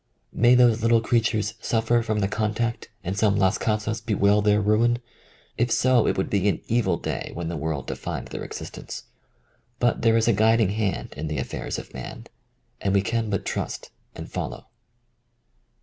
May those little crea tures suffer from the contact and some Las Casas bewail their ruin ! If so, it would be an evil day when the world defined their existence. But there is a guiding hand in the affairs of man, and we can but trust and follow.